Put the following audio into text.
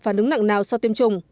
phản ứng nặng nào so với tiêm chủng